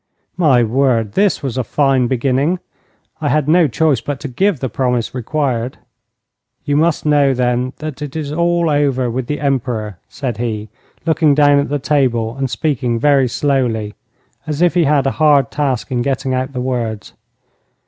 My word, this was a fine beginning! I had no choice but to give the promise required. 'You must know, then, that it is all over with the Emperor,' said he, looking down at the table and speaking very slowly, as if he had a hard task in getting out the words.